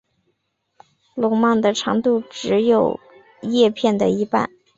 笼蔓的长度只有叶片的一半。